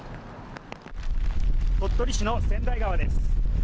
鳥取市の千代川です。